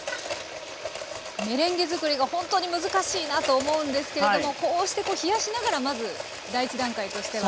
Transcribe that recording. メレンゲ作りがほんとに難しいなと思うんですけれどもこうして冷やしながらまず第一段階としては。